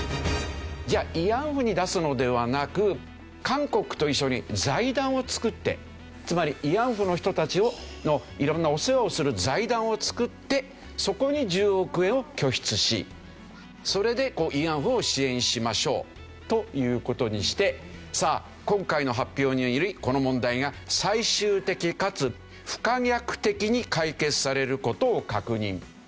じゃあ慰安婦に出すのではなく韓国と一緒に財団を作ってつまり慰安婦の人たちの色んなお世話をする財団を作ってそこに１０億円を拠出しそれで慰安婦を支援しましょうという事にしてさあ「今回の発表によりこの問題が最終的かつ不可逆的に解決されることを確認」。